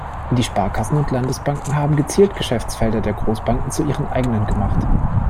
Die Sparkassen und Landesbanken haben gezielt Geschäftsfelder der Großbanken zu ihren eigenen gemacht.